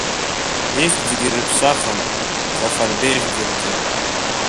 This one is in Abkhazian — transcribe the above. Ихьӡгьы рыԥсахын, Сафарбеи ихьӡырҵеит.